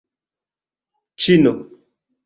ĉino